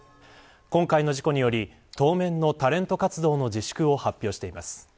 今回の事故により、当面のタレント活動の自粛を発表しています。